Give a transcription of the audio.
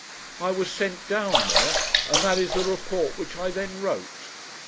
I was sent down there, and that is the report which I then wrote.